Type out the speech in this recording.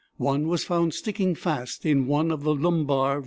One was found sticking fast in one of the lumbar vertebræ.